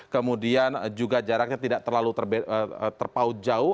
kemudian juga jaraknya tidak terlalu terpaut jauh